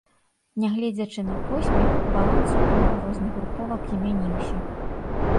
Нягледзячы на поспех баланс уплыву розных груповак змяніўся.